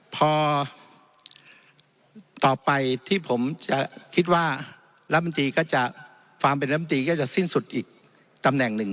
พอต่อไปที่ผมจะคิดว่ารัฐมนตรีก็จะความเป็นลำตีก็จะสิ้นสุดอีกตำแหน่งหนึ่ง